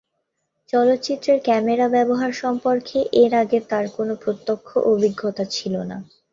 চলচ্চিত্রের ক্যামেরার ব্যবহার সম্পর্কে এর আগে তার কোন প্রত্যক্ষ অভিজ্ঞতা ছিল না।